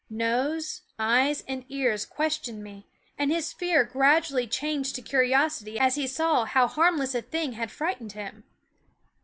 Nose, eyes, and ears questioned me; and his fear gradually changed to curi osity as he saw how harmless a thing had frightened him.